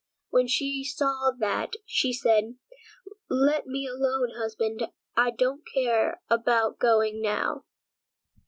When she saw that, she said: "Let me alone, husband, I don't care about going now."